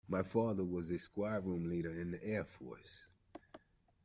My father was a Squadron Leader in the Air Force